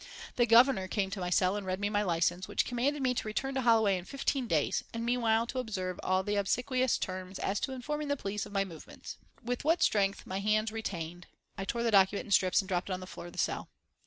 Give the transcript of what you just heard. The Governor came to my cell and read me my licence, which commanded me to return to Holloway in fifteen days, and meanwhile to observe all the obsequious terms as to informing the police of my movements. With what strength my hands retained I tore the document in strips and dropped it on the floor of the cell.